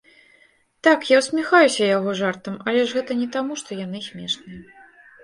Так, я ўсміхаюся яго жартам, але ж гэта не таму, што яны смешныя.